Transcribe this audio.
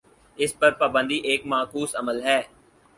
اس پر پابندی ایک معکوس عمل ہے۔